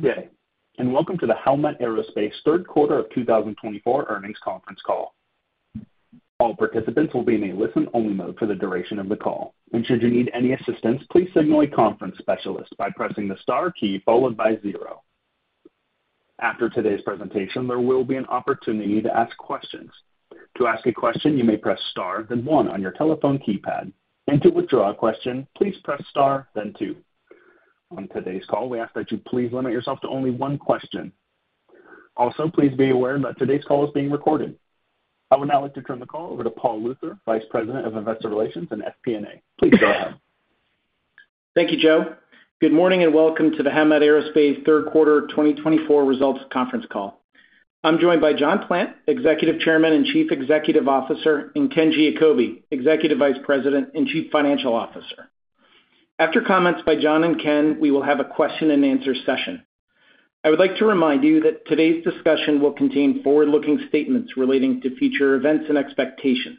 Good day, and welcome to the Howmet Aerospace third quarter of 2024 earnings conference call. All participants will be in a listen-only mode for the duration of the call, and should you need any assistance, please signal a conference specialist by pressing the star key followed by zero. After today's presentation, there will be an opportunity to ask questions. To ask a question, you may press star, then one on your telephone keypad, and to withdraw a question, please press star, then two. On today's call, we ask that you please limit yourself to only one question. Also, please be aware that today's call is being recorded. I would now like to turn the call over to Paul Luther, Vice President of Investor Relations and FP&A. Please go ahead. Thank you, Joe. Good morning and welcome to the Howmet Aerospace third quarter 2024 results conference call. I'm joined by John Plant, Executive Chairman and Chief Executive Officer, and Ken Giacobbe, Executive Vice President and Chief Financial Officer. After comments by John and Ken, we will have a question-and-answer session. I would like to remind you that today's discussion will contain forward-looking statements relating to future events and expectations.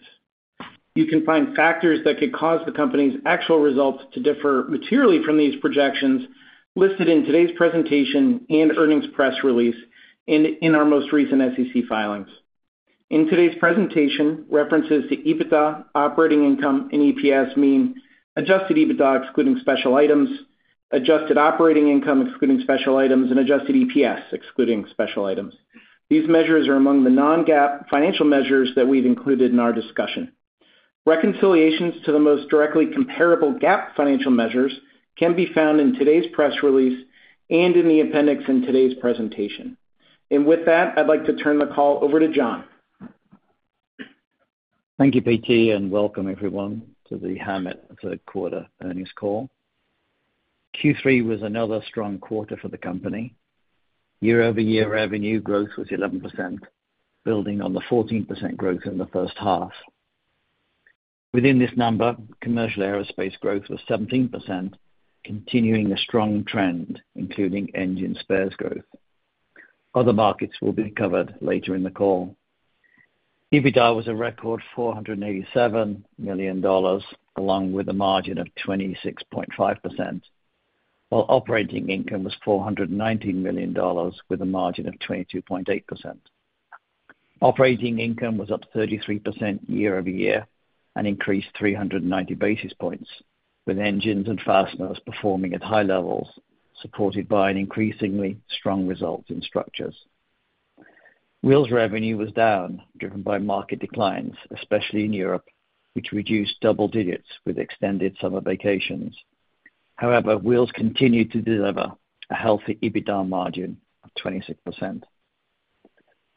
You can find factors that could cause the company's actual results to differ materially from these projections listed in today's presentation and earnings press release and in our most recent SEC filings. In today's presentation, references to EBITDA, operating income, and EPS mean adjusted EBITDA excluding special items, adjusted operating income excluding special items, and adjusted EPS excluding special items. These measures are among the non-GAAP financial measures that we've included in our discussion. Reconciliations to the most directly comparable GAAP financial measures can be found in today's press release and in the appendix in today's presentation. And with that, I'd like to turn the call over to John. Thank you, Pete, and welcome everyone to the Howmet third quarter earnings call. Q3 was another strong quarter for the company. Year-over-year revenue growth was 11%, building on the 14% growth in the first half. Within this number, commercial aerospace growth was 17%, continuing a strong trend, including engine spares growth. Other markets will be covered later in the call. EBITDA was a record $487 million, along with a margin of 26.5%, while operating income was $419 million, with a margin of 22.8%. Operating income was up 33% year-over-year and increased 390 basis points, with engines and fasteners performing at high levels, supported by an increasingly strong result in structures. Wheels revenue was down, driven by market declines, especially in Europe, which reduced double digits with extended summer vacations. However, Wheels continued to deliver a healthy EBITDA margin of 26%.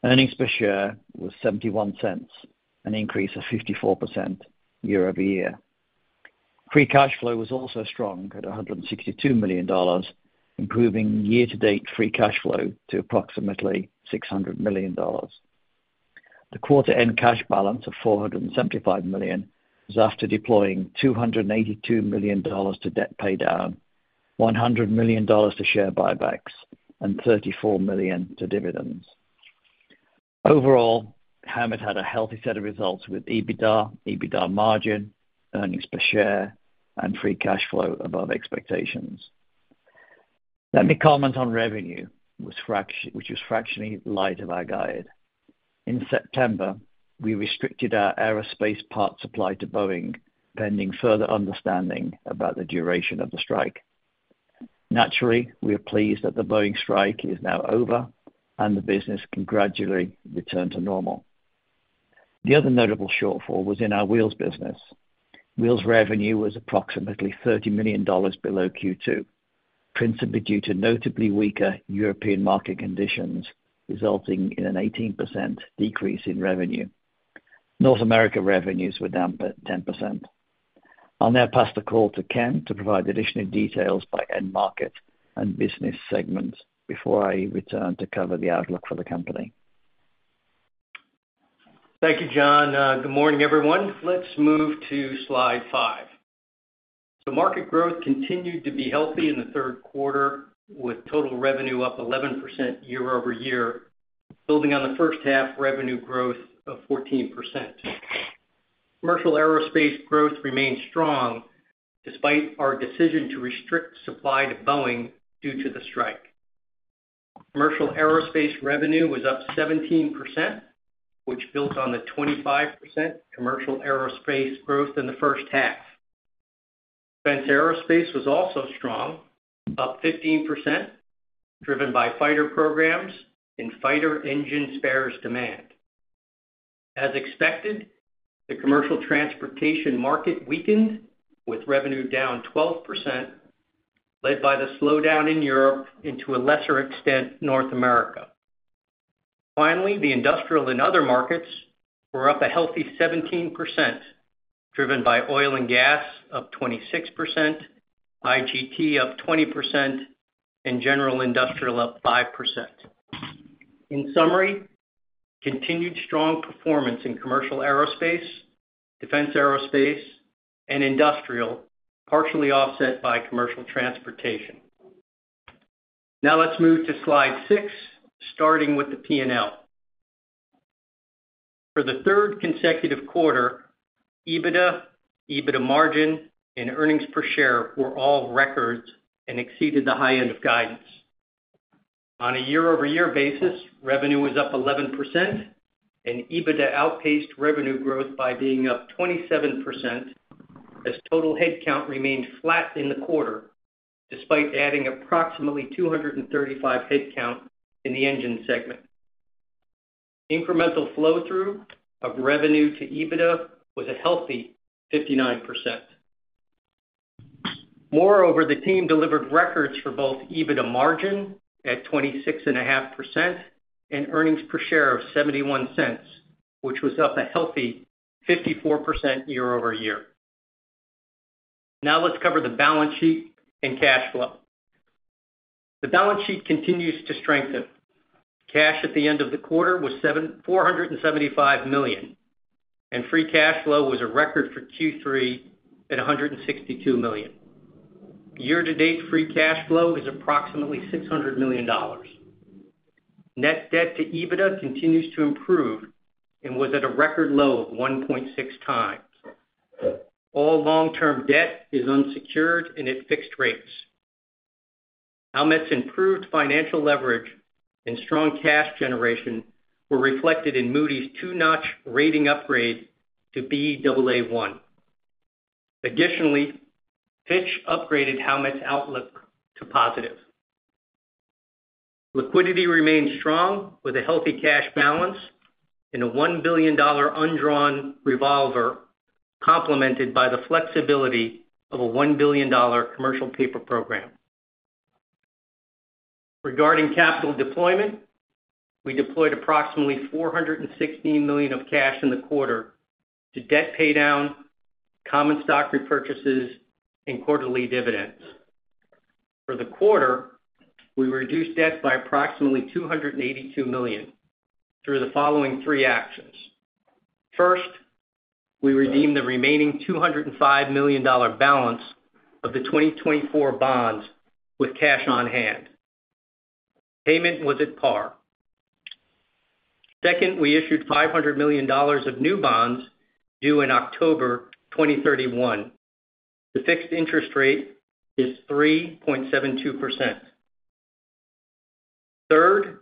Earnings per share was $0.71, an increase of 54% year-over-year. Free cash flow was also strong at $162 million, improving year-to-date free cash flow to approximately $600 million. The quarter-end cash balance of $475 million was after deploying $282 million to debt pay down, $100 million to share buybacks, and $34 million to dividends. Overall, Howmet had a healthy set of results with EBITDA, EBITDA margin, earnings per share, and free cash flow above expectations. Let me comment on revenue, which was fractionally lighter by a guide. In September, we restricted our aerospace parts supply to Boeing, pending further understanding about the duration of the strike. Naturally, we are pleased that the Boeing strike is now over and the business can gradually return to normal. The other notable shortfall was in our wheels business. Wheels revenue was approximately $30 million below Q2, principally due to notably weaker European market conditions, resulting in an 18% decrease in revenue. North America revenues were down 10%. I'll now pass the call to Ken to provide additional details by end market and business segments before I return to cover the outlook for the company. Thank you, John. Good morning, everyone. Let's move to slide five. The market growth continued to be healthy in the third quarter, with total revenue up 11% year-over-year, building on the first half revenue growth of 14%. Commercial aerospace growth remained strong despite our decision to restrict supply to Boeing due to the strike. Commercial aerospace revenue was up 17%, which built on the 25% commercial aerospace growth in the first half. Defense aerospace was also strong, up 15%, driven by fighter programs and fighter engine spares demand. As expected, the commercial transportation market weakened, with revenue down 12%, led by the slowdown in Europe and, to a lesser extent, North America. Finally, the industrial and other markets were up a healthy 17%, driven by oil and gas up 26%, IGT up 20%, and general industrial up 5%. In summary, continued strong performance in commercial aerospace, defense aerospace, and industrial, partially offset by commercial transportation. Now let's move to slide six, starting with the P&L. For the third consecutive quarter, EBITDA, EBITDA margin, and earnings per share were all records and exceeded the high end of guidance. On a year-over-year basis, revenue was up 11%, and EBITDA outpaced revenue growth by being up 27%, as total headcount remained flat in the quarter, despite adding approximately 235 headcount in the engine segment. Incremental flow-through of revenue to EBITDA was a healthy 59%. Moreover, the team delivered records for both EBITDA margin at 26.5% and earnings per share of $0.71, which was up a healthy 54% year-over-year. Now let's cover the balance sheet and cash flow. The balance sheet continues to strengthen. Cash at the end of the quarter was $475 million, and free cash flow was a record for Q3 at $162 million. Year-to-date free cash flow is approximately $600 million. Net debt to EBITDA continues to improve and was at a record low of 1.6 times. All long-term debt is unsecured and at fixed rates. Howmet's improved financial leverage and strong cash generation were reflected in Moody's two-notch rating upgrade to BAA1. Additionally, Fitch upgraded Howmet's outlook to positive. Liquidity remained strong with a healthy cash balance and a $1 billion undrawn revolver, complemented by the flexibility of a $1 billion commercial paper program. Regarding capital deployment, we deployed approximately $416 million of cash in the quarter to debt pay down, common stock repurchases, and quarterly dividends. For the quarter, we reduced debt by approximately $282 million through the following three actions. First, we redeemed the remaining $205 million balance of the 2024 bonds with cash on hand. Payment was at par. Second, we issued $500 million of new bonds due in October 2031. The fixed interest rate is 3.72%. Third,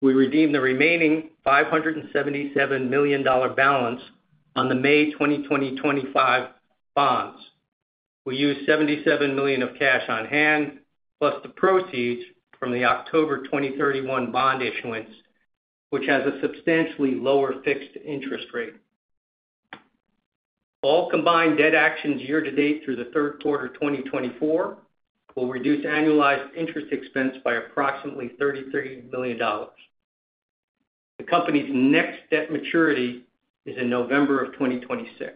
we redeemed the remaining $577 million balance on the May 2025 bonds. We used $77 million of cash on hand, plus the proceeds from the October 2031 bond issuance, which has a substantially lower fixed interest rate. All combined debt actions year-to-date through the third quarter 2024 will reduce annualized interest expense by approximately $33 million. The company's next debt maturity is in November of 2026.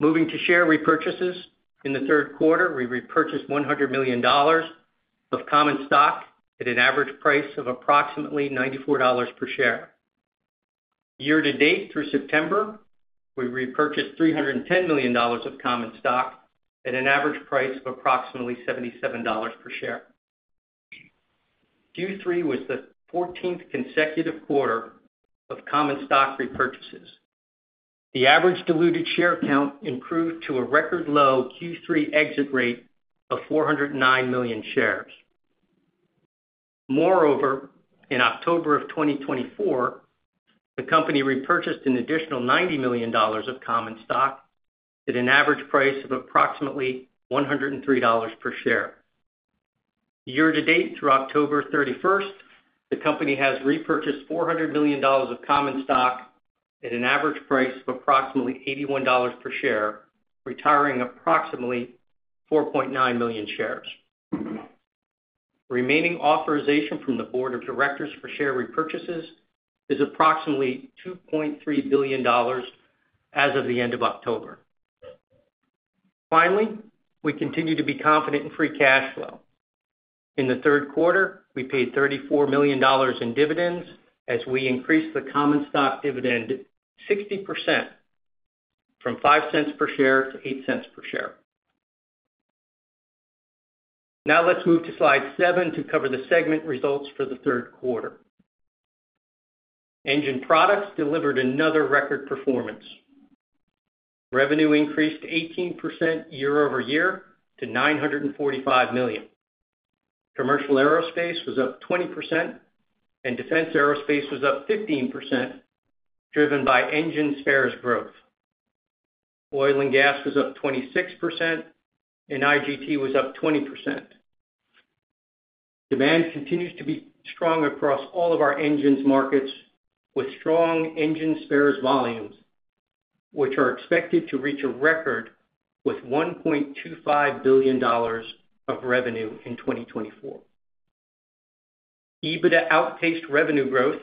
Moving to share repurchases. In the third quarter, we repurchased $100 million of common stock at an average price of approximately $94 per share. Year-to-date through September, we repurchased $310 million of common stock at an average price of approximately $77 per share. Q3 was the 14th consecutive quarter of common stock repurchases. The average diluted share count improved to a record low Q3 exit rate of 409 million shares. Moreover, in October of 2024, the company repurchased an additional $90 million of common stock at an average price of approximately $103 per share. Year-to-date through October 31st, the company has repurchased $400 million of common stock at an average price of approximately $81 per share, retiring approximately 4.9 million shares. Remaining authorization from the board of directors for share repurchases is approximately $2.3 billion as of the end of October. Finally, we continue to be confident in free cash flow. In the third quarter, we paid $34 million in dividends as we increased the common stock dividend 60% from $0.05 per share to $0.08 per share. Now let's move to slide seven to cover the segment results for the third quarter. Engine products delivered another record performance. Revenue increased 18% year-over-year to $945 million. Commercial aerospace was up 20%, and defense aerospace was up 15%, driven by engine spares growth. Oil and gas was up 26%, and IGT was up 20%. Demand continues to be strong across all of our engines markets, with strong engine spares volumes, which are expected to reach a record with $1.25 billion of revenue in 2024. EBITDA outpaced revenue growth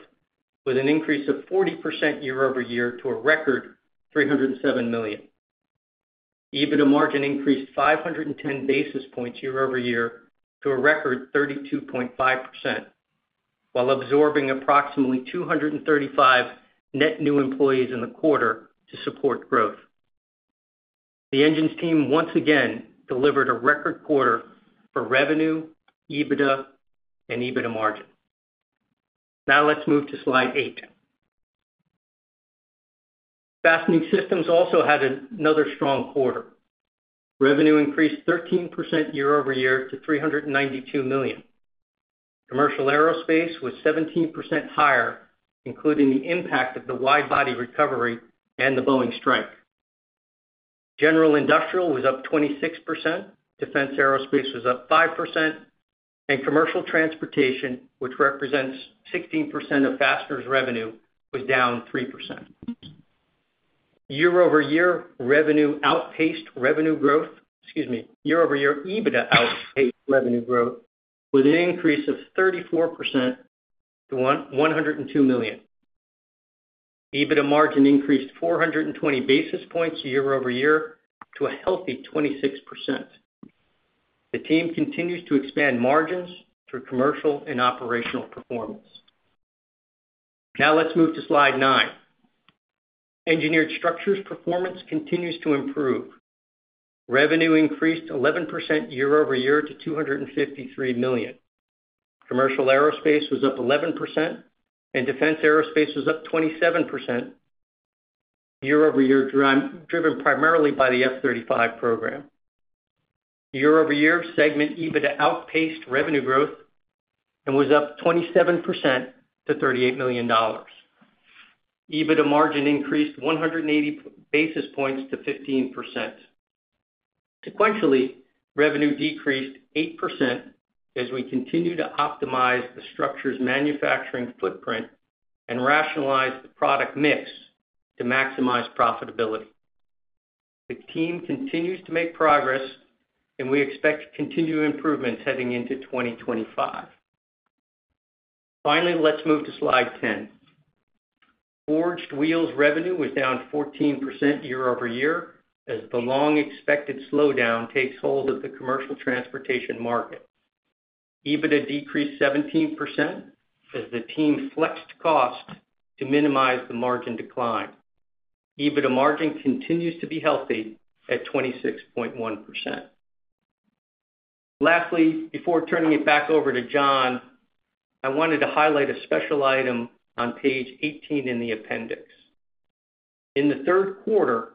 with an increase of 40% year-over-year to a record $307 million. EBITDA margin increased 510 basis points year-over-year to a record 32.5%, while absorbing approximately 235 net new employees in the quarter to support growth. The engines team once again delivered a record quarter for revenue, EBITDA, and EBITDA margin. Now let's move to slide eight. Fastening systems also had another strong quarter. Revenue increased 13% year-over-year to $392 million. Commercial aerospace was 17% higher, including the impact of the wide-body recovery and the Boeing strike. General industrial was up 26%, defense aerospace was up 5%, and commercial transportation, which represents 16% of fasteners' revenue, was down 3%. Year-over-year revenue outpaced revenue growth. Excuse me. Year-over-year EBITDA outpaced revenue growth with an increase of 34% to $102 million. EBITDA margin increased 420 basis points year-over-year to a healthy 26%. The team continues to expand margins through commercial and operational performance. Now let's move to slide nine. Engineered structures performance continues to improve. Revenue increased 11% year-over-year to $253 million. Commercial aerospace was up 11%, and defense aerospace was up 27% year-over-year, driven primarily by the F-35 program. Year-over-year segment EBITDA outpaced revenue growth and was up 27% to $38 million. EBITDA margin increased 180 basis points to 15%. Sequentially, revenue decreased 8% as we continue to optimize the structure's manufacturing footprint and rationalize the product mix to maximize profitability. The team continues to make progress, and we expect continued improvements heading into 2025. Finally, let's move to slide 10. Forged wheels revenue was down 14% year-over-year as the long-expected slowdown takes hold of the commercial transportation market. EBITDA decreased 17% as the team flexed costs to minimize the margin decline. EBITDA margin continues to be healthy at 26.1%. Lastly, before turning it back over to John, I wanted to highlight a special item on page 18 in the appendix. In the third quarter,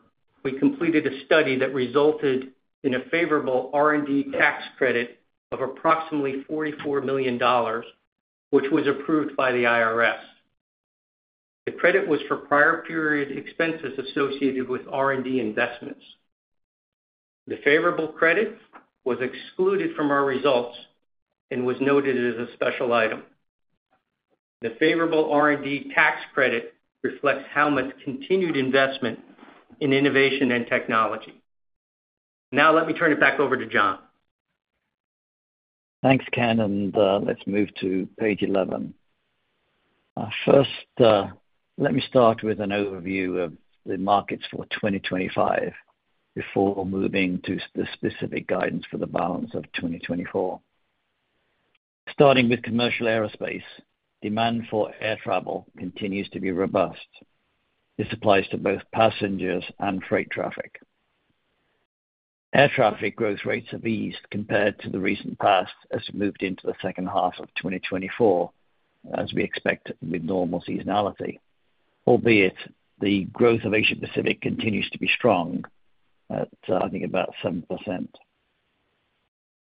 we completed a study that resulted in a favorable R&D tax credit of approximately $44 million, which was approved by the IRS. The credit was for prior period expenses associated with R&D investments. The favorable credit was excluded from our results and was noted as a special item. The favorable R&D tax credit reflects Howmet's continued investment in innovation and technology. Now let me turn it back over to John. Thanks, Ken, and let's move to page 11. First, let me start with an overview of the markets for 2025 before moving to the specific guidance for the balance of 2024. Starting with commercial aerospace, demand for air travel continues to be robust. This applies to both passengers and freight traffic. Air traffic growth rates have eased compared to the recent past as we moved into the second half of 2024, as we expect with normal seasonality, albeit the growth of Asia-Pacific continues to be strong at, I think, about 7%.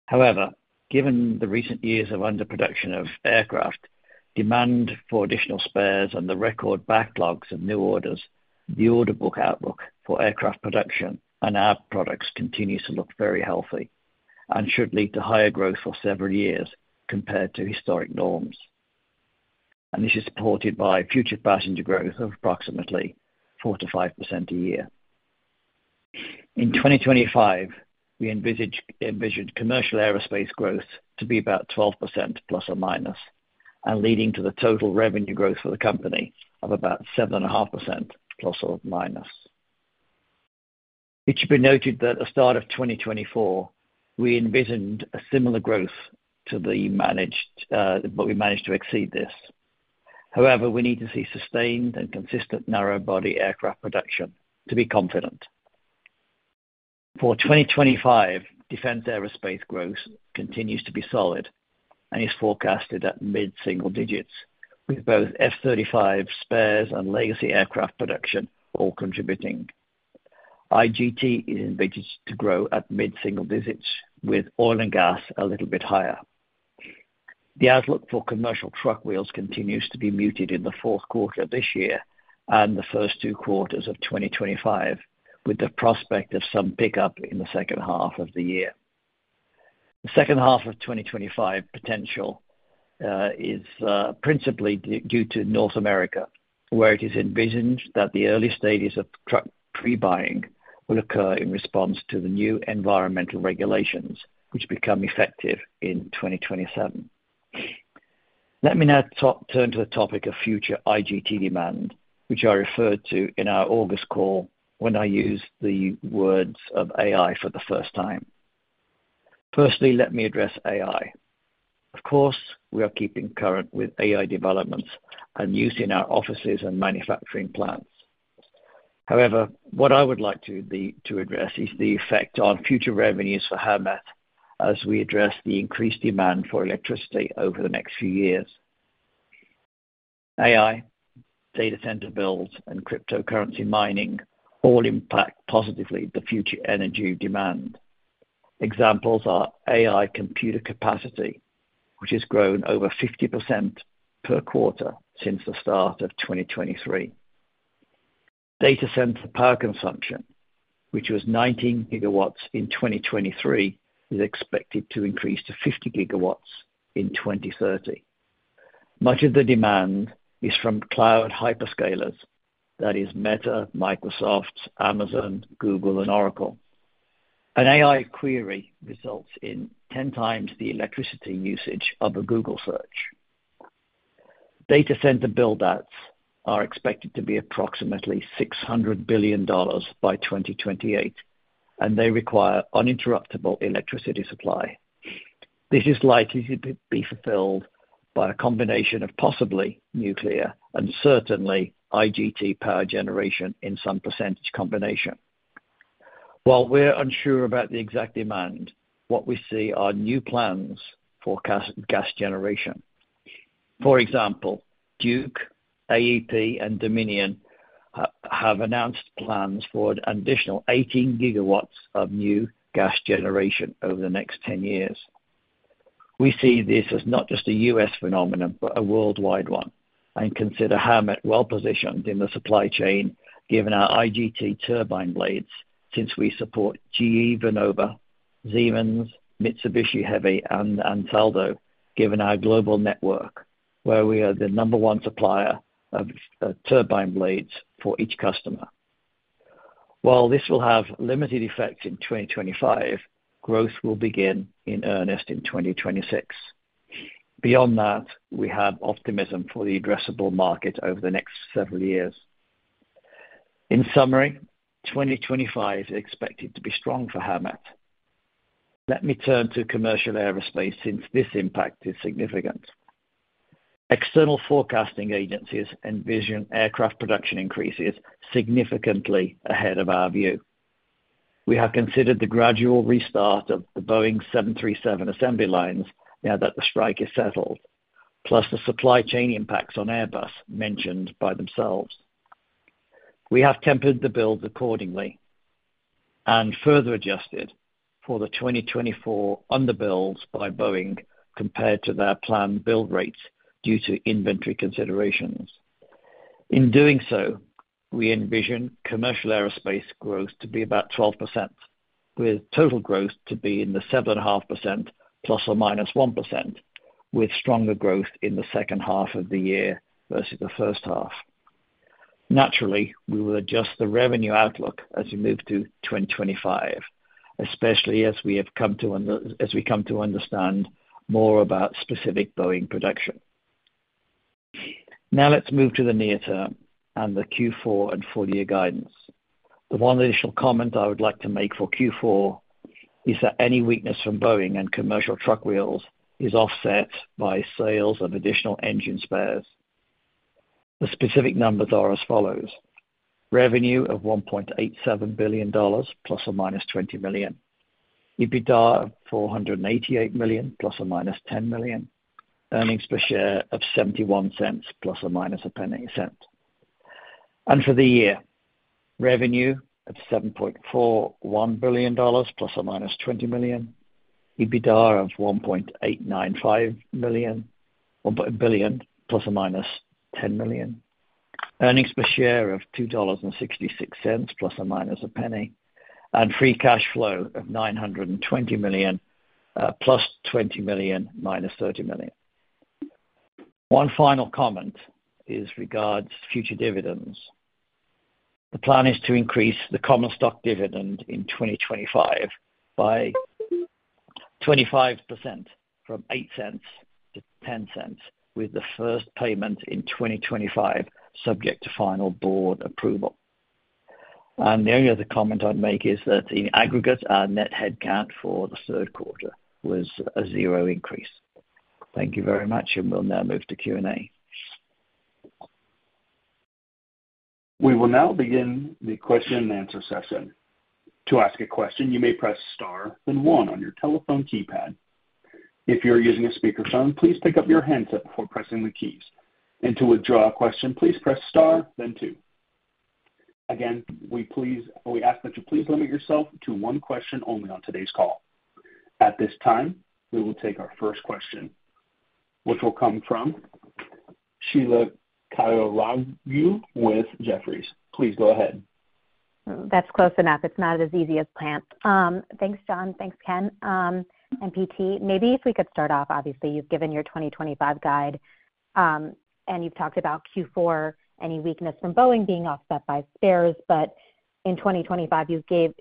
However, given the recent years of underproduction of aircraft, demand for additional spares and the record backlogs of new orders, the order book outlook for aircraft production and our products continues to look very healthy and should lead to higher growth for several years compared to historic norms. This is supported by future passenger growth of approximately 4%-5% a year. In 2025, we envision commercial aerospace growth to be about 12% plus or minus, and leading to the total revenue growth for the company of about 7.5% plus or minus. It should be noted that at the start of 2024, we envision a similar growth to the managed, well, we managed to exceed this. However, we need to see sustained and consistent narrow-body aircraft production to be confident. For 2025, defense aerospace growth continues to be solid and is forecasted at mid-single digits, with both F-35 spares and legacy aircraft production all contributing. IGT is envision to grow at mid-single digits, with oil and gas a little bit higher. The outlook for commercial truck wheels continues to be muted in the fourth quarter of this year and the first two quarters of 2025, with the prospect of some pickup in the second half of the year. The second half of 2025 potential is principally due to North America, where it is envisioned that the early stages of truck pre-buying will occur in response to the new environmental regulations, which become effective in 2027. Let me now turn to the topic of future IGT demand, which I referred to in our August call when I used the words of AI for the first time. Firstly, let me address AI. Of course, we are keeping current with AI developments and use in our offices and manufacturing plants. However, what I would like to address is the effect on future revenues for Howmet as we address the increased demand for electricity over the next few years. AI, data center builds, and cryptocurrency mining all impact positively the future energy demand. Examples are AI computer capacity, which has grown over 50% per quarter since the start of 2023. Data center power consumption, which was 19 gigawatts in 2023, is expected to increase to 50 gigawatts in 2030. Much of the demand is from cloud hyperscalers, that is Meta, Microsoft, Amazon, Google, and Oracle. An AI query results in 10 times the electricity usage of a Google search. Data center build-outs are expected to be approximately $600 billion by 2028, and they require uninterruptible electricity supply. This is likely to be fulfilled by a combination of possibly nuclear and certainly IGT power generation in some percentage combination. While we're unsure about the exact demand, what we see are new plans for gas generation. For example, Duke, AEP, and Dominion have announced plans for an additional 18 gigawatts of new gas generation over the next 10 years. We see this as not just a U.S. phenomenon, but a worldwide one, and consider Howmet well-positioned in the supply chain, given our IGT turbine blades, since we support GE Vernova, Siemens, Mitsubishi Heavy, and Ansaldo, given our global network, where we are the number one supplier of turbine blades for each customer. While this will have limited effects in 2025, growth will begin in earnest in 2026. Beyond that, we have optimism for the addressable market over the next several years. In summary, 2025 is expected to be strong for Howmet. Let me turn to commercial aerospace since this impact is significant. External forecasting agencies envision aircraft production increases significantly ahead of our view. We have considered the gradual restart of the Boeing 737 assembly lines now that the strike is settled, plus the supply chain impacts on Airbus mentioned by themselves. We have tempered the builds accordingly and further adjusted for the 2024 underbuilds by Boeing compared to their planned build rates due to inventory considerations. In doing so, we envision commercial aerospace growth to be about 12%, with total growth to be in the 7.5% plus or minus 1%, with stronger growth in the second half of the year versus the first half. Naturally, we will adjust the revenue outlook as we move to 2025, especially as we have come to understand more about specific Boeing production. Now let's move to the near-term and the Q4 and full-year guidance. The one additional comment I would like to make for Q4 is that any weakness from Boeing and commercial truck wheels is offset by sales of additional engine spares. The specific numbers are as follows: revenue of $1.87 billion ± $20 million, EBITDA of $488 million ± $10 million, earnings per share of $0.71 ± $0.01. For the year, revenue of $7.41 billion ± $20 million, EBITDA of $1.895 billion ± $10 million, earnings per share of $2.66 ± $0.01, and free cash flow of $920 million (+$20 million to -$30 million). One final comment regarding future dividends. The plan is to increase the common stock dividend in 2025 by 25% from $0.08 to $0.10, with the first payment in 2025 subject to final board approval. The only other comment I'd make is that in aggregate, our net headcount for the third quarter was a zero increase. Thank you very much, and we'll now move to Q&A. We will now begin the question and answer session. To ask a question, you may press star, then one on your telephone keypad. If you're using a speakerphone, please pick up your handset before pressing the keys. And to withdraw a question, please press star, then two. Again, we ask that you please limit yourself to one question only on today's call. At this time, we will take our first question, which will come from Sheila Kahyaoglu with Jefferies. Please go ahead. That's close enough. It's not as easy as planned. Thanks, John. Thanks, Ken and Pete. Maybe if we could start off, obviously, you've given your 2025 guide, and you've talked about Q4, any weakness from Boeing being offset by spares. But in 2025,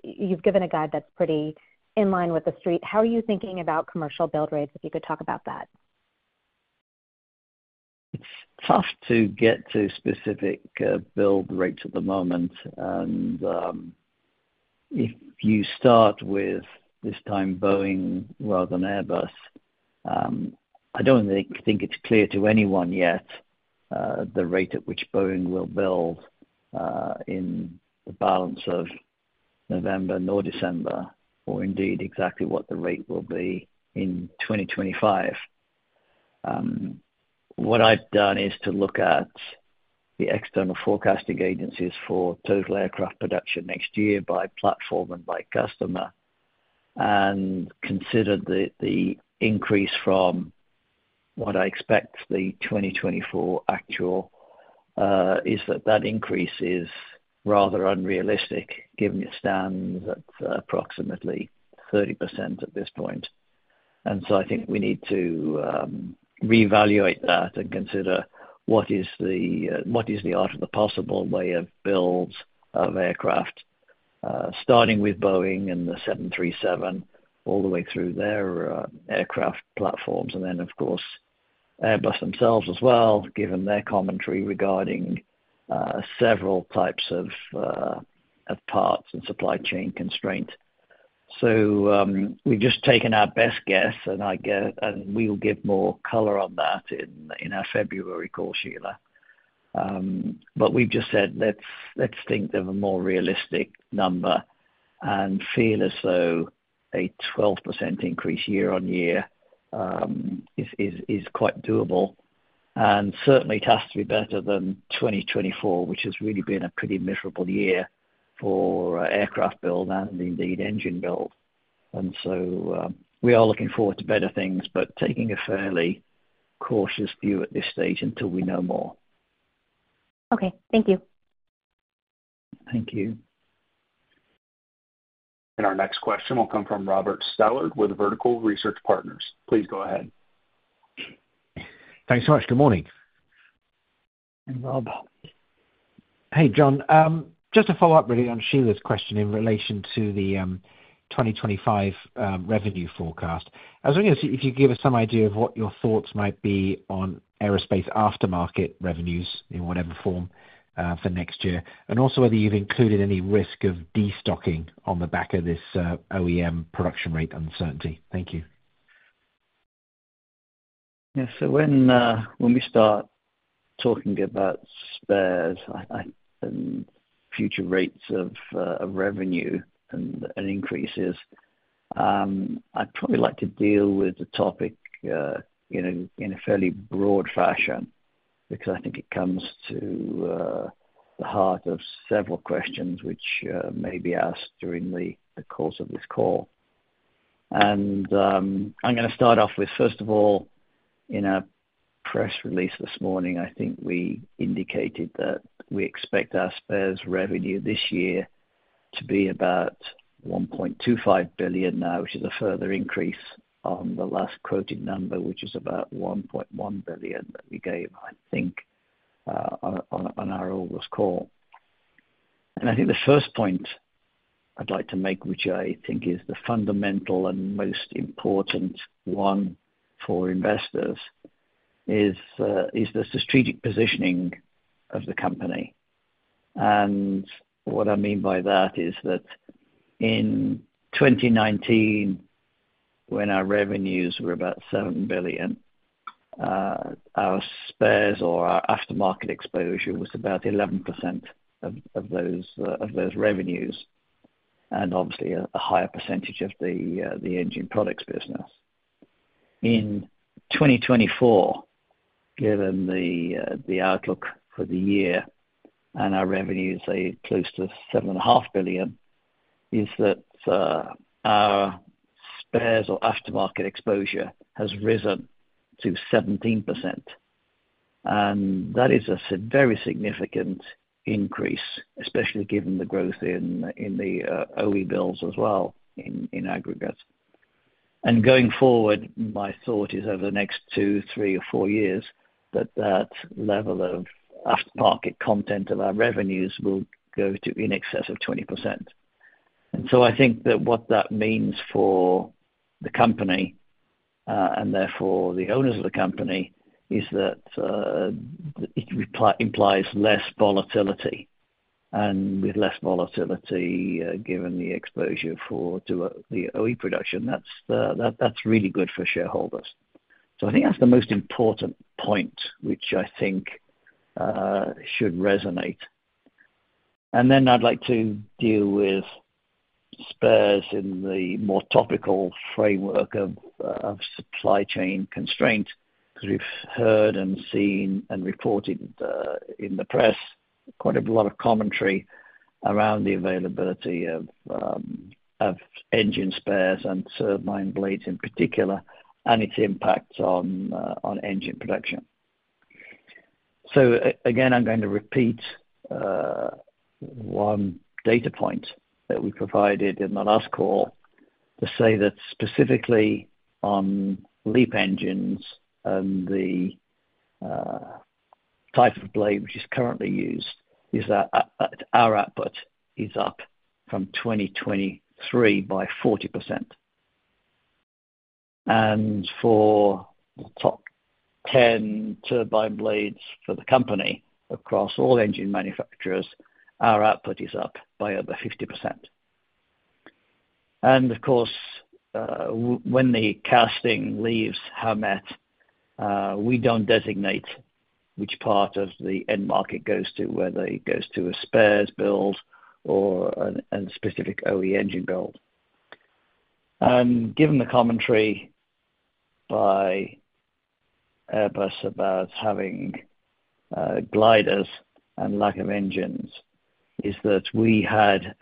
you've given a guide that's pretty in line with the street. How are you thinking about commercial build rates? If you could talk about that. It's tough to get to specific build rates at the moment. And if you start with this time Boeing rather than Airbus, I don't think it's clear to anyone yet the rate at which Boeing will build in the balance of November nor December, or indeed exactly what the rate will be in 2025. What I've done is to look at the external forecasting agencies for total aircraft production next year by platform and by customer and considered that the increase from what I expect the 2024 actual is that the increase is rather unrealistic, given it stands at approximately 30% at this point. And so I think we need to reevaluate that and consider what is the art of the possible way of builds of aircraft, starting with Boeing and the 737 all the way through their aircraft platforms, and then, of course, Airbus themselves as well, given their commentary regarding several types of parts and supply chain constraints. So we've just taken our best guess, and we will give more color on that in our February call, Sheila. But we've just said, let's think of a more realistic number and feel as though a 12% increase year on year is quite doable. And certainly, it has to be better than 2024, which has really been a pretty miserable year for aircraft build and indeed engine build. And so we are looking forward to better things, but taking a fairly cautious view at this stage until we know more. Okay. Thank you. Thank you. And our next question will come from Robert Stallard with Vertical Research Partners. Please go ahead. Thanks so much. Good morning. And, Rob. Hey, John. Just to follow up really on Sheila's question in relation to the 2025 revenue forecast, I was wondering if you could give us some idea of what your thoughts might be on aerospace aftermarket revenues in whatever form for next year, and also whether you've included any risk of destocking on the back of this OEM production rate uncertainty? Thank you. Yeah, so when we start talking about spares and future rates of revenue and increases, I'd probably like to deal with the topic in a fairly broad fashion because I think it comes to the heart of several questions which may be asked during the course of this call, and I'm going to start off with, first of all, in a press release this morning, I think we indicated that we expect our spares revenue this year to be about $1.25 billion now, which is a further increase on the last quoted number, which is about $1.1 billion that we gave, I think, on our August call, and I think the first point I'd like to make, which I think is the fundamental and most important one for investors, is the strategic positioning of the company. What I mean by that is that in 2019, when our revenues were about $7 billion, our spares or our aftermarket exposure was about 11% of those revenues, and obviously a higher percentage of the engine products business. In 2024, given the outlook for the year and our revenues, say, close to $7.5 billion, is that our spares or aftermarket exposure has risen to 17%. And that is a very significant increase, especially given the growth in the OE builds as well in aggregate. And going forward, my thought is over the next two, three, or four years that that level of aftermarket content of our revenues will go to in excess of 20%. And so I think that what that means for the company and therefore the owners of the company is that it implies less volatility. And with less volatility, given the exposure to the OE production, that's really good for shareholders. So I think that's the most important point, which I think should resonate. And then I'd like to deal with spares in the more topical framework of supply chain constraints because we've heard and seen and reported in the press quite a lot of commentary around the availability of engine spares and turbine blades in particular and its impact on engine production. So again, I'm going to repeat one data point that we provided in the last call to say that specifically on LEAP engines and the type of blade which is currently used, our output is up from 2023 by 40%. And for the top 10 turbine blades for the company across all engine manufacturers, our output is up by over 50%. Of course, when the casting leaves Howmet, we don't designate which part of the end market goes to whether it goes to a spares build or a specific OE engine build. Given the commentary by Airbus about having gliders and lack of engines, we had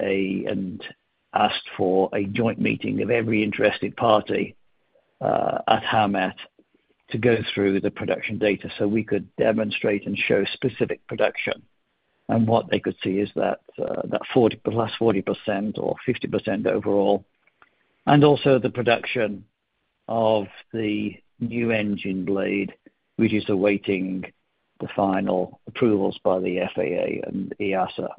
asked for a joint meeting of every interested party at Howmet to go through the production data so we could demonstrate and show specific production. What they could see is that plus 40% or 50% overall, and also the production of the new engine blade, which is awaiting the final approvals by the FAA and EASA.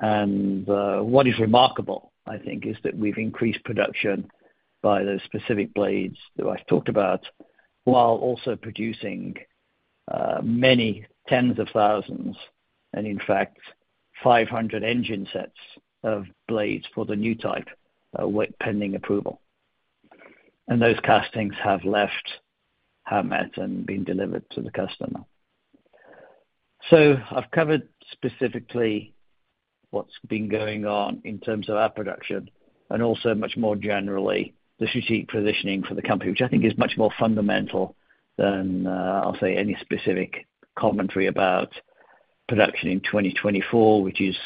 What is remarkable, I think, is that we've increased production by those specific blades that I've talked about while also producing many tens of thousands and, in fact, 500 engine sets of blades for the new type pending approval. And those castings have left Howmet and been delivered to the customer. So I've covered specifically what's been going on in terms of our production and also much more generally the strategic positioning for the company, which I think is much more fundamental than, I'll say, any specific commentary about production in 2024, which is,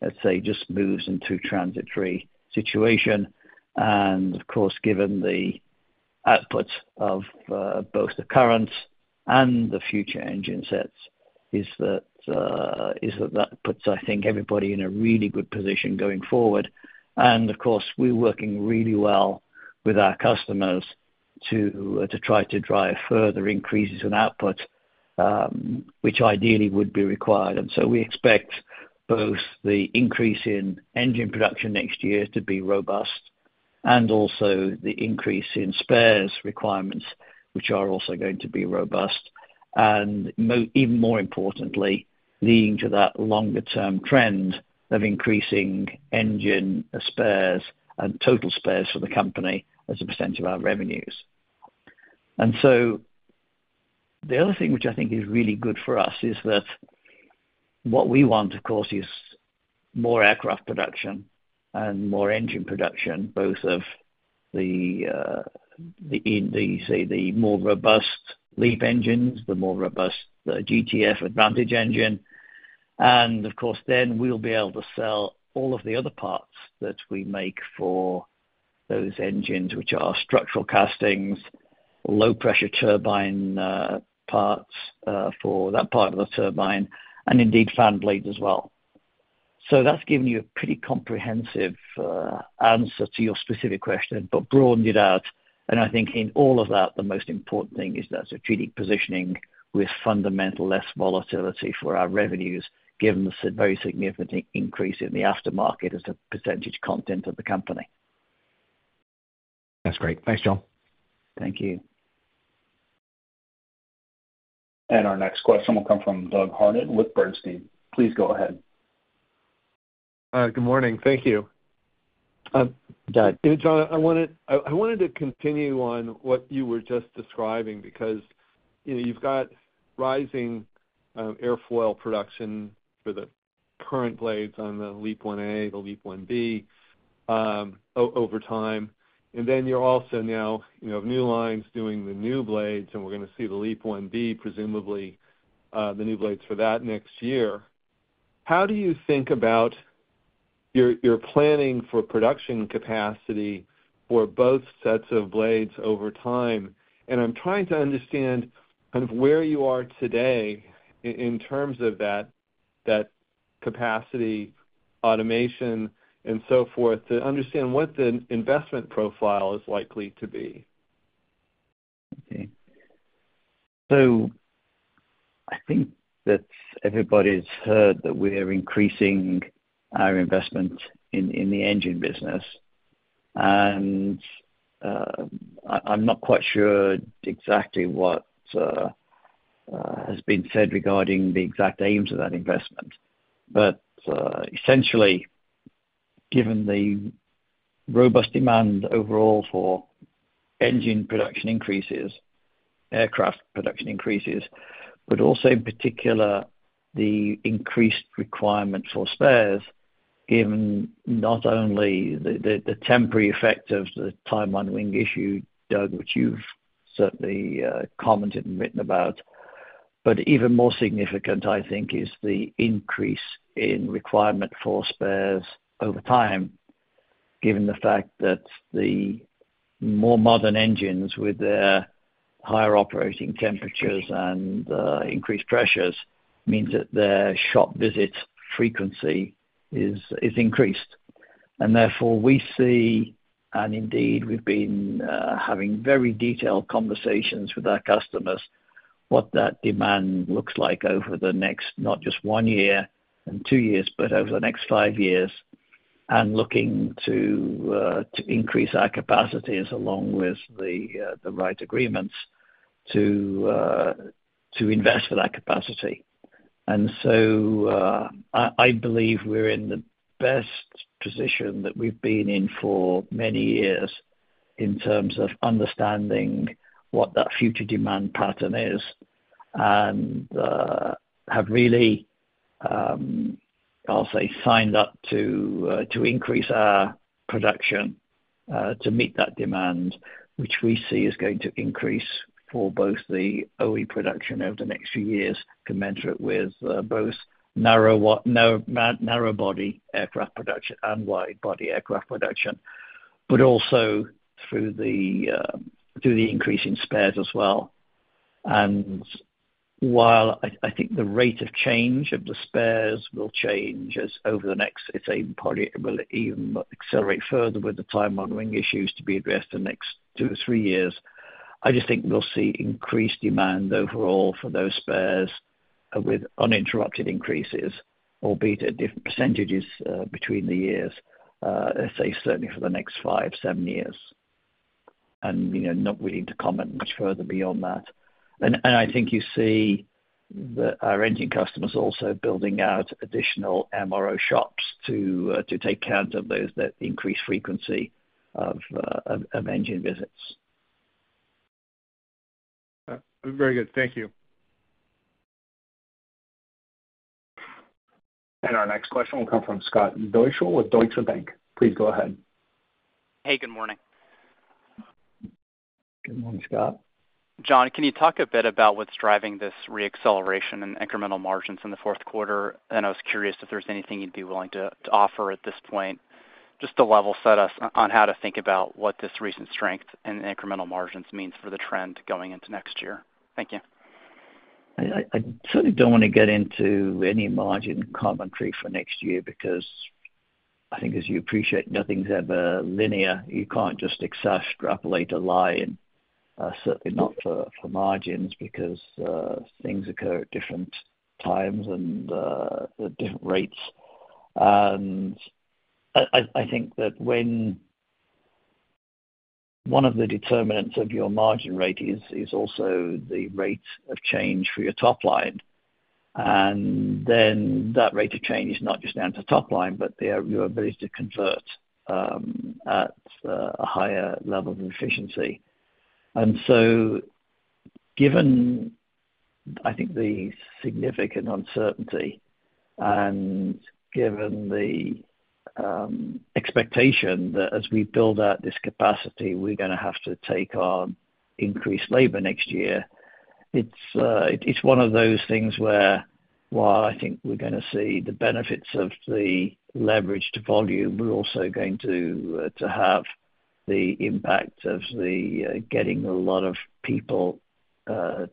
let's say, just moves into transitory situation. And of course, given the output of both the current and the future engine sets, that puts, I think, everybody in a really good position going forward. And of course, we're working really well with our customers to try to drive further increases in output, which ideally would be required. And so we expect both the increase in engine production next year to be robust and also the increase in spares requirements, which are also going to be robust. And even more importantly, leading to that longer-term trend of increasing engine spares and total spares for the company as a percentage of our revenues. And so the other thing which I think is really good for us is that what we want, of course, is more aircraft production and more engine production, both of the, say, the more robust LEAP engines, the more robust GTF Advantage engine. And of course, then we'll be able to sell all of the other parts that we make for those engines, which are structural castings, low-pressure turbine parts for that part of the turbine, and indeed fan blades as well. So that's given you a pretty comprehensive answer to your specific question, but broadened it out. I think in all of that, the most important thing is that strategic positioning with fundamental less volatility for our revenues, given the very significant increase in the aftermarket as a percentage content of the company. That's great. Thanks, John. Thank you. And our next question will come from Doug Harned with Bernstein. Please go ahead. Good morning. Thank you. Hi. John, I wanted to continue on what you were just describing because you've got rising Airfoils production for the current blades on the LEAP-1A, the LEAP-1B over time, and then you're also now of new lines doing the new blades, and we're going to see the LEAP-1B, presumably the new blades for that next year. How do you think about your planning for production capacity for both sets of blades over time, and I'm trying to understand kind of where you are today in terms of that capacity, automation, and so forth, to understand what the investment profile is likely to be? Okay, so I think that everybody's heard that we are increasing our investment in the engine business, and I'm not quite sure exactly what has been said regarding the exact aims of that investment, but essentially, given the robust demand overall for engine production increases, aircraft production increases, but also in particular, the increased requirement for spares, given not only the temporary effect of the time on wing issue, Doug, which you've certainly commented and written about, but even more significant, I think, is the increase in requirement for spares over time, given the fact that the more modern engines with their higher operating temperatures and increased pressures means that their shop visit frequency is increased. Therefore, we see, and indeed, we've been having very detailed conversations with our customers, what that demand looks like over the next not just one year and two years, but over the next five years, and looking to increase our capacities along with the right agreements to invest for that capacity. So I believe we're in the best position that we've been in for many years in terms of understanding what that future demand pattern is and have really, I'll say, signed up to increase our production to meet that demand, which we see is going to increase for both the OE production over the next few years, commensurate with both narrow-body aircraft production and wide-body aircraft production, but also through the increase in spares as well. And while I think the rate of change of the spares will change over the next, it probably will even accelerate further with the time on wing issues to be addressed in the next two or three years, I just think we'll see increased demand overall for those spares with uninterrupted increases, albeit at different percentages between the years, let's say, certainly for the next five, seven years. And I'm not willing to comment much further beyond that. And I think you see our engine customers also building out additional MRO shops to take care of the increased frequency of engine visits. Very good. Thank you. And our next question will come from Scott Deuschle with Deutsche Bank. Please go ahead. Hey, good morning. Good morning, Scott. John, can you talk a bit about what's driving this reacceleration in incremental margins in the fourth quarter? And I was curious if there's anything you'd be willing to offer at this point, just to level set us on how to think about what this recent strength in incremental margins means for the trend going into next year? Thank you. I certainly don't want to get into any margin commentary for next year because I think, as you appreciate, nothing's ever linear. You can't just extrapolate a line, certainly not for margins, because things occur at different times and at different rates. And I think that when one of the determinants of your margin rate is also the rate of change for your top line, and then that rate of change is not just down to top line, but your ability to convert at a higher level of efficiency. And so given, I think, the significant uncertainty and given the expectation that as we build out this capacity, we're going to have to take on increased labor next year, it's one of those things where, while I think we're going to see the benefits of the leveraged volume, we're also going to have the impact of getting a lot of people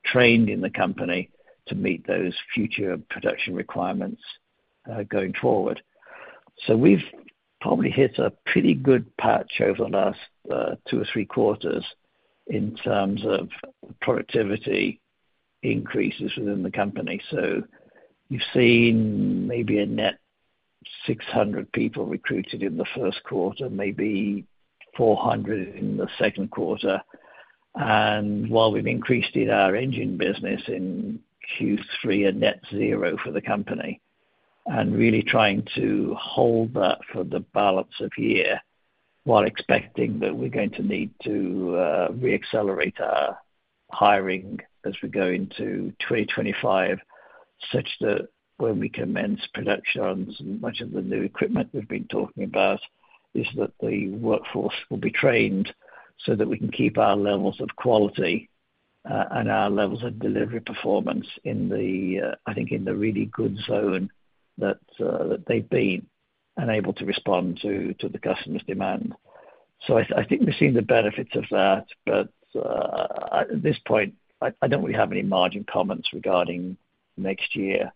trained in the company to meet those future production requirements going forward. So we've probably hit a pretty good patch over the last two or three quarters in terms of productivity increases within the company. So you've seen maybe a net 600 people recruited in the first quarter, maybe 400 in the second quarter. While we've increased in our engine business in Q3, a net zero for the company, and really trying to hold that for the balance of year while expecting that we're going to need to reaccelerate our hiring as we go into 2025, such that when we commence production on as much of the new equipment we've been talking about, is that the workforce will be trained so that we can keep our levels of quality and our levels of delivery performance in the, I think, in the really good zone that they've been and able to respond to the customer's demand. I think we've seen the benefits of that, but at this point, I don't really have any margin comments regarding next year.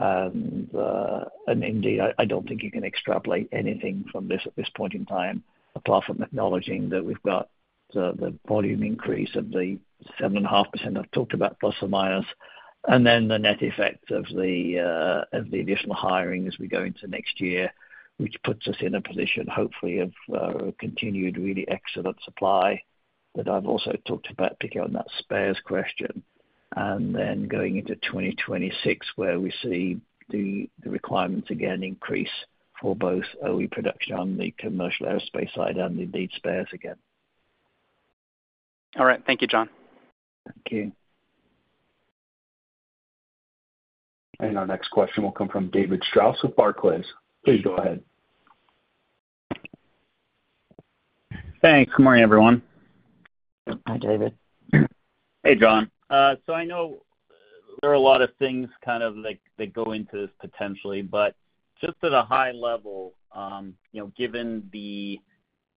And indeed, I don't think you can extrapolate anything from this at this point in time, apart from acknowledging that we've got the volume increase of the 7.5% I've talked about, plus or minus, and then the net effect of the additional hiring as we go into next year, which puts us in a position, hopefully, of continued really excellent supply that I've also talked about, picking on that spares question, and then going into 2026 where we see the requirements again increase for both OE production on the commercial aerospace side and the LEAP spares again. All right. Thank you, John. Thank you. Our next question will come from David Strauss with Barclays. Please go ahead. Thanks. Good morning, everyone. Hi, David. Hey, John. So I know there are a lot of things kind of that go into this potentially, but just at a high level, given the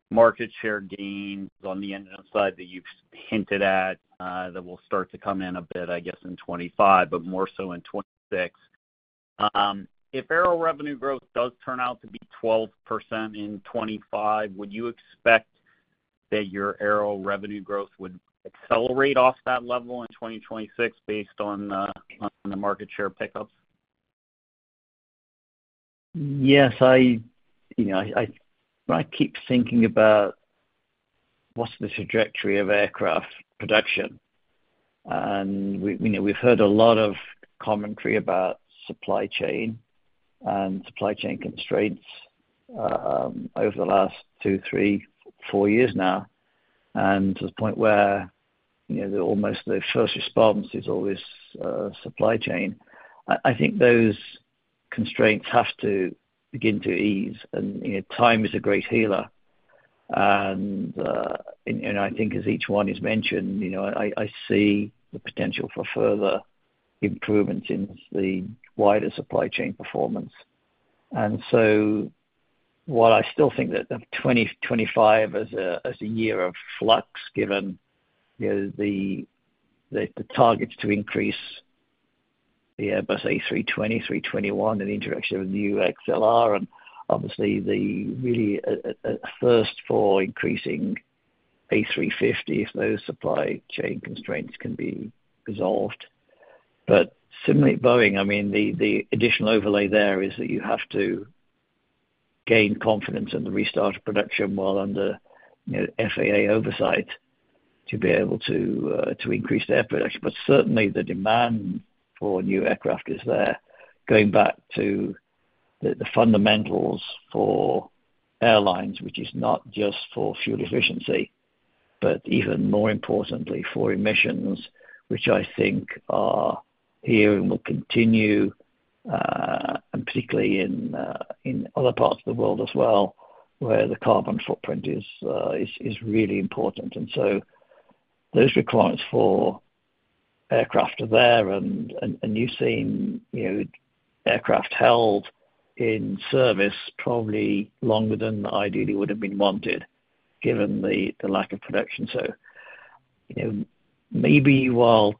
market share gains on the engine side that you've hinted at that will start to come in a bit, I guess, in 2025, but more so in 2026, if aero revenue growth does turn out to be 12% in 2025, would you expect that your aero revenue growth would accelerate off that level in 2026 based on the market share pickups? Yes. I keep thinking about what's the trajectory of aircraft production. And we've heard a lot of commentary about supply chain and supply chain constraints over the last two, three, four years now, and to the point where almost the first response is always supply chain. I think those constraints have to begin to ease, and time is a great healer. And I think, as each one has mentioned, I see the potential for further improvements in the wider supply chain performance. And so while I still think that 2025 is a year of flux, given the targets to increase the Airbus A320, A321, and the introduction of new XLR, and obviously the really first for increasing A350 if those supply chain constraints can be resolved. But similarly, Boeing, I mean, the additional overlay there is that you have to gain confidence in the restart of production while under FAA oversight to be able to increase their production. But certainly, the demand for new aircraft is there, going back to the fundamentals for airlines, which is not just for fuel efficiency, but even more importantly, for emissions, which I think are here and will continue, and particularly in other parts of the world as well, where the carbon footprint is really important. And so those requirements for aircraft are there, and you've seen aircraft held in service probably longer than ideally would have been wanted, given the lack of production. So maybe while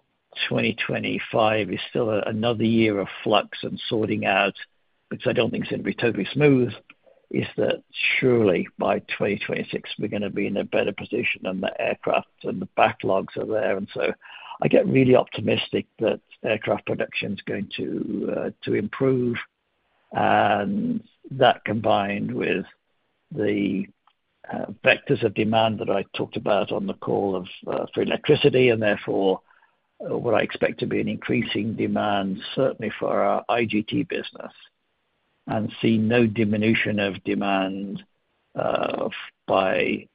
2025 is still another year of flux and sorting out, which I don't think is going to be totally smooth. Is that surely by 2026, we're going to be in a better position than the aircraft and the backlogs are there. And so I get really optimistic that aircraft production is going to improve. And that combined with the vectors of demand that I talked about on the call for electricity, and therefore what I expect to be an increasing demand, certainly for our IGT business, and see no diminution of demand by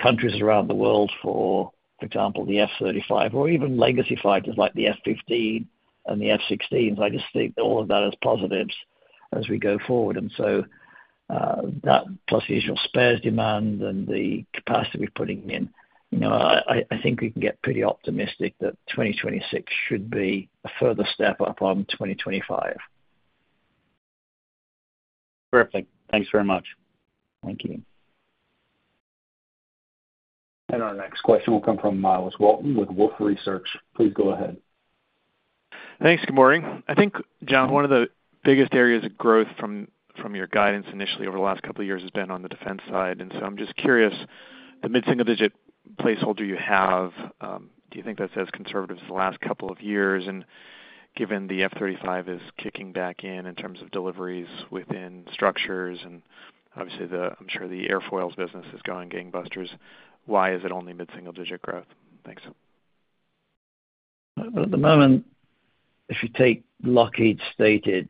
countries around the world for, for example, the F-35 or even legacy fighters like the F-15 and the F-16s. I just think all of that is positives as we go forward. That plus the usual spares demand and the capacity we're putting in, I think we can get pretty optimistic that 2026 should be a further step up on 2025. Terrific. Thanks very much. Thank you. And our next question will come from Miles Walton with Wolfe Research. Please go ahead. Thanks. Good morning. I think, John, one of the biggest areas of growth from your guidance initially over the last couple of years has been on the defense side. And so I'm just curious, the mid-single digit placeholder you have, do you think that's as conservative as the last couple of years? And given the F-35 is kicking back in in terms of deliveries within structures, and obviously, I'm sure the airfoils business is going gangbusters, why is it only mid-single digit growth? Thanks. At the moment, if you take Lockheed's stated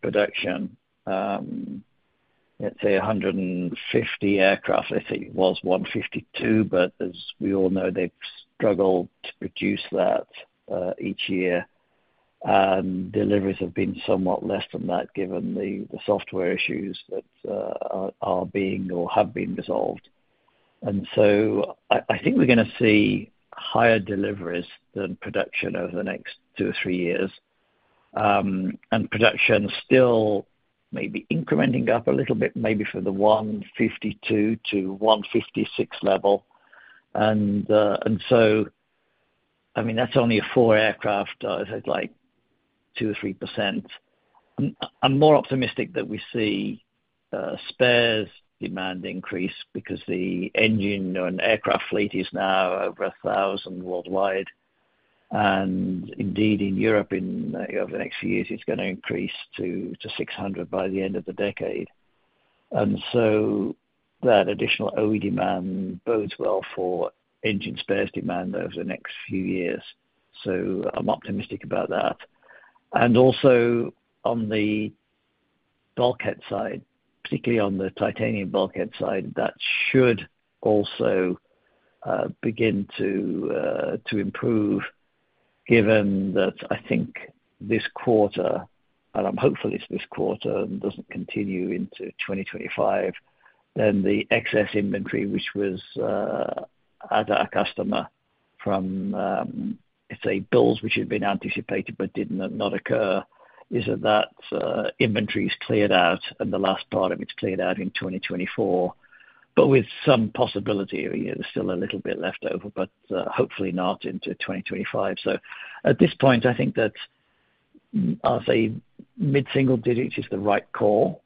production, let's say 150 aircraft, I think it was 152, but as we all know, they've struggled to produce that each year. And deliveries have been somewhat less than that given the software issues that are being or have been resolved. And so I think we're going to see higher deliveries than production over the next two or three years, and production still may be incrementing up a little bit, maybe from the 152-156 level. And so, I mean, that's only a four aircraft, like 2 or 3%. I'm more optimistic that we see spares demand increase because the engine and aircraft fleet is now over 1,000 worldwide. And indeed, in Europe, over the next few years, it's going to increase to 600 by the end of the decade. And so that additional OE demand bodes well for engine spares demand over the next few years. So I'm optimistic about that. And also on the bulkhead side, particularly on the titanium bulkhead side, that should also begin to improve given that I think this quarter, and I'm hopeful it's this quarter and doesn't continue into 2025, then the excess inventory, which was at our customer from, let's say, builds, which had been anticipated but did not occur, is cleared out, and the last part of it's cleared out in 2024, but with some possibility of still a little bit left over, but hopefully not into 2025. So at this point, I think that I'll say mid-single digit is the right call.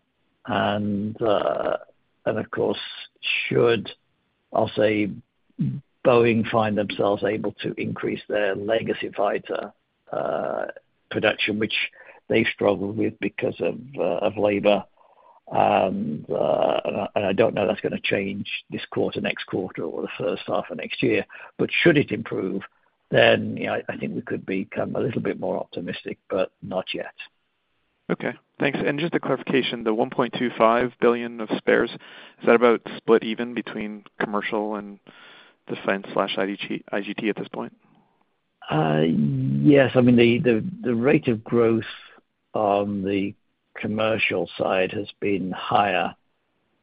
And of course, should, I'll say, Boeing find themselves able to increase their legacy fighter production, which they struggle with because of labor. I don't know that's going to change this quarter, next quarter, or the first half of next year. Should it improve, then I think we could become a little bit more optimistic, but not yet. Okay. Thanks, and just a clarification, the $1.25 billion of spares, is that about split even between commercial and defense/IGT at this point? Yes. I mean, the rate of growth on the commercial side has been higher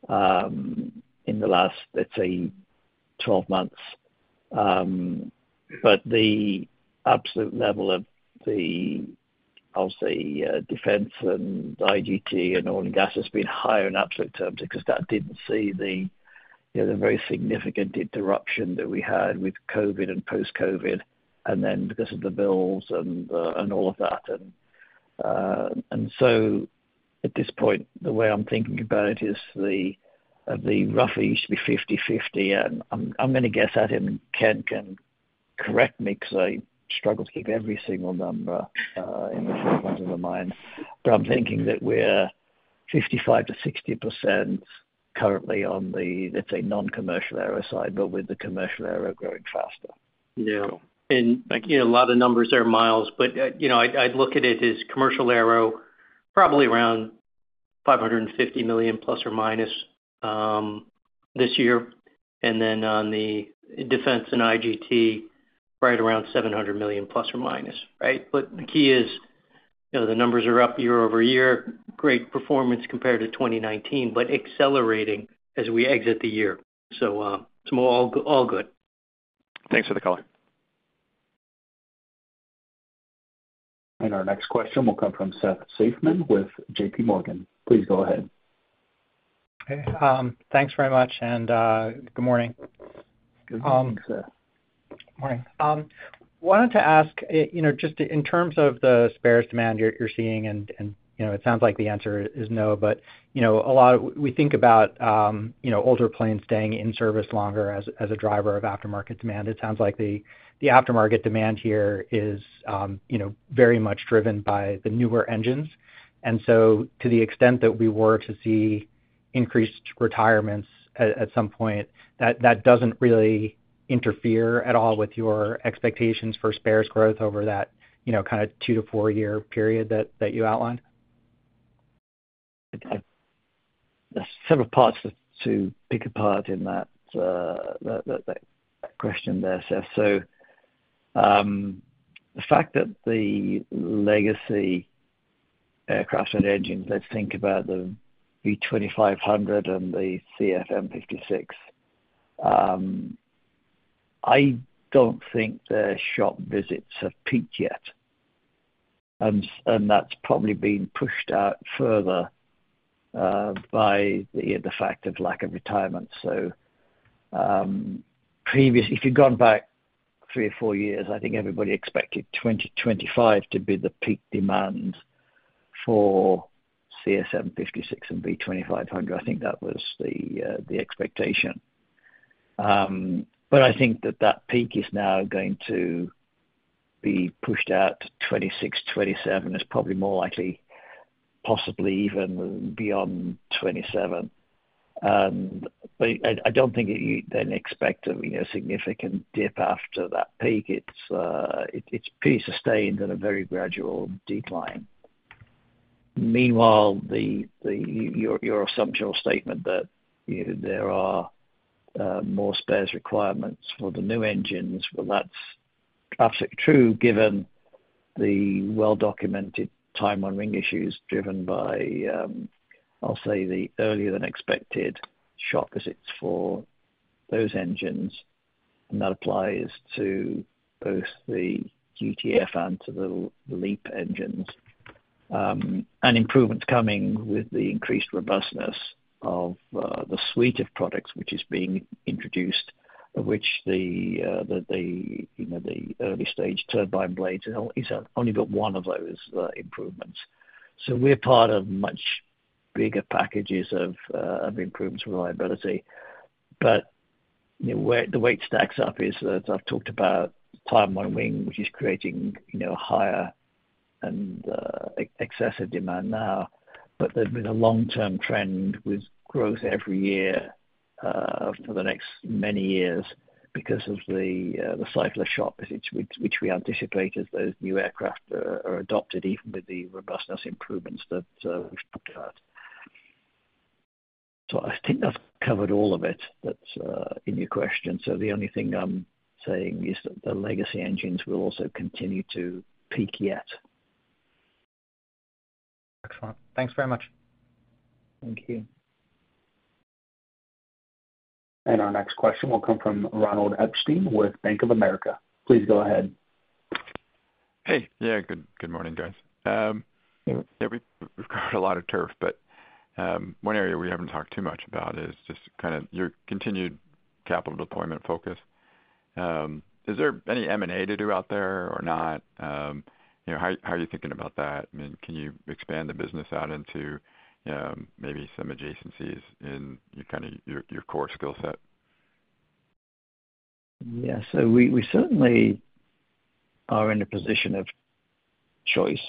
in the last, let's say, 12 months. But the absolute level of the, I'll say, defense and IGT and oil and gas has been higher in absolute terms because that didn't see the very significant interruption that we had with COVID and post-COVID, and then because of the bills and all of that. And so at this point, the way I'm thinking about it is the roughly should be 50/50. And I'm going to guess at him, Ken can correct me because I struggle to keep every single number in the forefront of my mind. But I'm thinking that we're 55%-60% currently on the, let's say, non-commercial aero side, but with the commercial aero growing faster. Yeah. And a lot of numbers there, Miles, but I'd look at it as commercial aero probably around $550 million plus or minus this year. And then on the defense and IGT, right around $700 million plus or minus, right? But the key is the numbers are up year over year, great performance compared to 2019, but accelerating as we exit the year. So all good. Thanks for the call. Our next question will come from Seth Seifman with JP Morgan. Please go ahead. Okay. Thanks very much, and good morning. Good morning, Seth. Good morning. Wanted to ask, just in terms of the spares demand you're seeing, and it sounds like the answer is no, but a lot of we think about older planes staying in service longer as a driver of aftermarket demand. It sounds like the aftermarket demand here is very much driven by the newer engines. And so to the extent that we were to see increased retirements at some point, that doesn't really interfere at all with your expectations for spares growth over that kind of two- to four-year period that you outlined? There's several parts to pick apart in that question there, Seth. So the fact that the legacy aircraft and engines, let's think about the V2500 and the CFM56, I don't think their shop visits have peaked yet. And that's probably been pushed out further by the fact of lack of retirement. So if you've gone back three or four years, I think everybody expected 2025 to be the peak demand for CFM56 and V2500. I think that was the expectation. But I think that that peak is now going to be pushed out to 2026, 2027, is probably more likely, possibly even beyond 2027. But I don't think you then expect a significant dip after that peak. It's pretty sustained and a very gradual decline. Meanwhile, your assumption or statement that there are more spares requirements for the new engines. Well, that's absolutely true given the well-documented time on wing issues driven by, I'll say, the earlier than expected shop visits for those engines. And that applies to both the GTF and to the LEAP engines. And improvements coming with the increased robustness of the suite of products which is being introduced, of which the early-stage turbine blades is only but one of those improvements. So we're part of much bigger packages of improvements and reliability. But the way it stacks up is that I've talked about time on wing, which is creating a higher and excessive demand now, but there's been a long-term trend with growth every year for the next many years because of the cycle of shop visits, which we anticipate as those new aircraft are adopted, even with the robustness improvements that we've talked about. So I think that's covered all of it in your question. So the only thing I'm saying is that the legacy engines will also continue to peak yet. Excellent. Thanks very much. Thank you. Our next question will come from Ronald Epstein with Bank of America. Please go ahead. Hey. Yeah. Good morning, guys. We've covered a lot of turf, but one area we haven't talked too much about is just kind of your continued capital deployment focus. Is there any M&A to do out there or not? How are you thinking about that? I mean, can you expand the business out into maybe some adjacencies in kind of your core skill set? Yeah. So we certainly are in a position of choice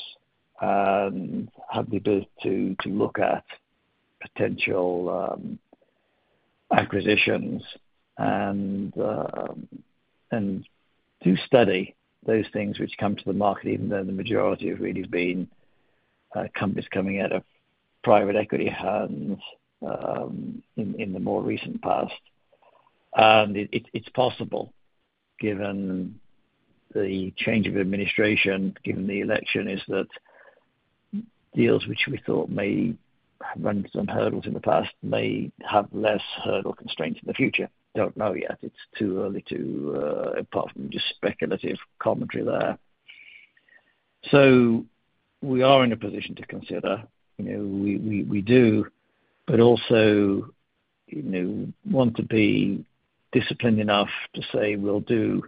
and have the ability to look at potential acquisitions and to study those things which come to the market, even though the majority have really been companies coming out of private equity hands in the more recent past. And it's possible, given the change of administration, given the election, that deals which we thought may run some hurdles in the past may have less hurdle constraints in the future. Don't know yet. It's too early to say apart from just speculative commentary there. So we are in a position to consider. We do, but also want to be disciplined enough to say we'll do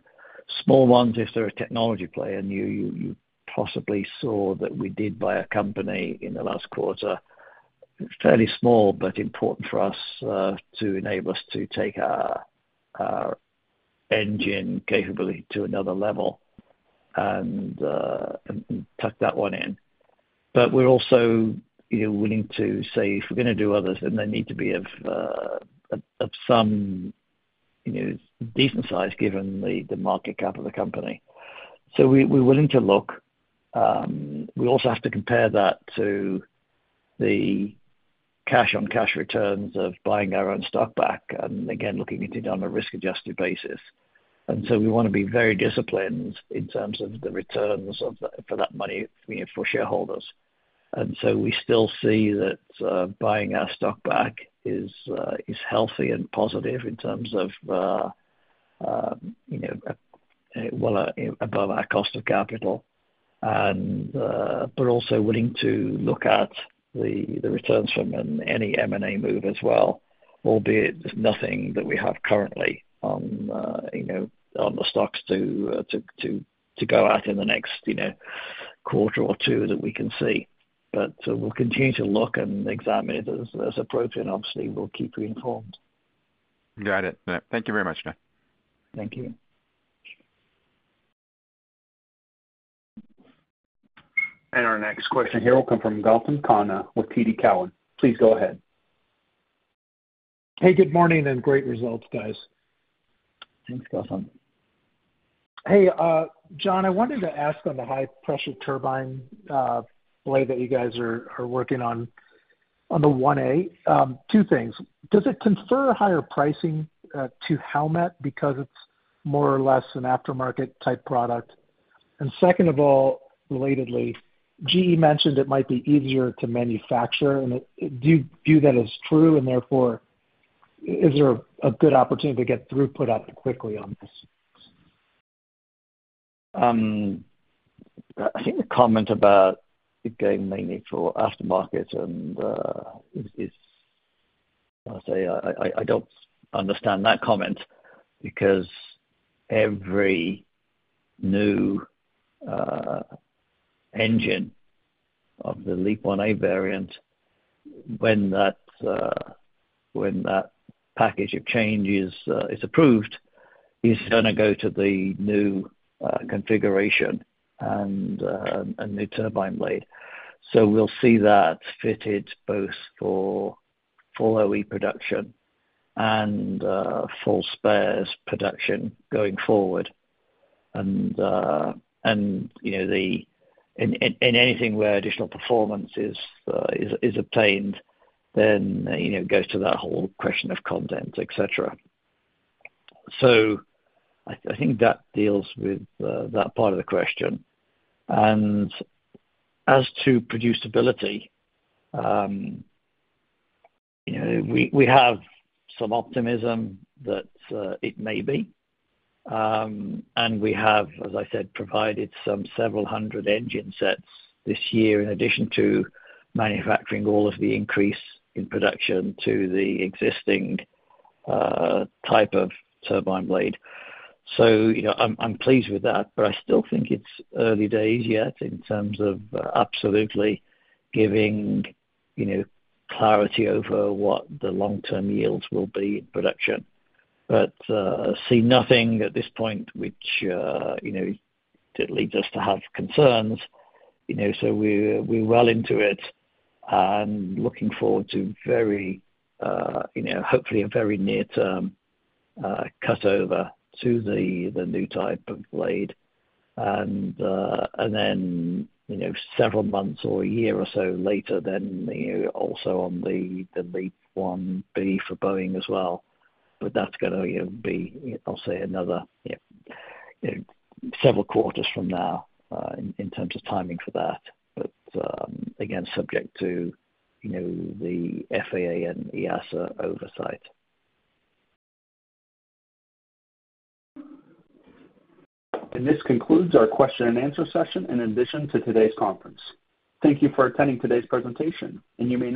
small ones if there are technology player. You possibly saw that we did buy a company in the last quarter, fairly small, but important for us to enable us to take our engine capability to another level and tuck that one in. But we're also willing to say if we're going to do others, then they need to be of some decent size given the market cap of the company. So we're willing to look. We also have to compare that to the cash-on-cash returns of buying our own stock back and, again, looking at it on a risk-adjusted basis. And so we want to be very disciplined in terms of the returns for that money for shareholders. And so we still see that buying our stock back is healthy and positive in terms of well above our cost of capital, but also willing to look at the returns from any M&A move as well, albeit there's nothing that we have currently on the stocks to go at in the next quarter or two that we can see. But we'll continue to look and examine it as appropriate. And obviously, we'll keep you informed. Got it. Thank you very much, Seth. Thank you. Our next question here will come from Gautam Khanna with TD Cowen. Please go ahead. Hey, good morning and great results, guys. Thanks, Gautam. Hey, John, I wanted to ask on the high-pressure turbine blade that you guys are working on, on the 1A, two things. Does it confer higher pricing to Howmet because it's more or less an aftermarket type product? And second of all, relatedly, GE mentioned it might be easier to manufacture. Do you view that as true? And therefore, is there a good opportunity to get throughput up quickly on this? I think the comment about it being mainly for aftermarket is, I'll say, I don't understand that comment because every new engine of the LEAP-1A variant, when that package of changes is approved, is going to go to the new configuration and new turbine blade. So we'll see that fitted both for full OE production and full spares production going forward. And in anything where additional performance is obtained, then it goes to that whole question of content, etc. So I think that deals with that part of the question. And as to producibility, we have some optimism that it may be. And we have, as I said, provided some several hundred engine sets this year in addition to manufacturing all of the increase in production to the existing type of turbine blade. So I'm pleased with that, but I still think it's early days yet in terms of absolutely giving clarity over what the long-term yields will be in production. But I see nothing at this point which leads us to have concerns. So we're well into it and looking forward to very hopefully a very near-term cutover to the new type of blade. And then several months or a year or so later, then also on the LEAP-1B for Boeing as well. But that's going to be, I'll say, another several quarters from now in terms of timing for that. But again, subject to the FAA and EASA oversight. This concludes our question and answer session in addition to today's conference. Thank you for attending today's presentation, and you may.